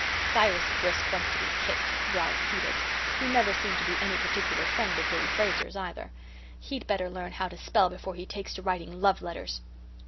"Cyrus Brisk wants to be kicked," growled Felix, who never seemed to be any particular friend of Willy Fraser's either. "He'd better learn how to spell before he takes to writing love letters."